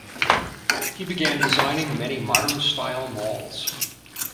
He began designing many modern-style malls.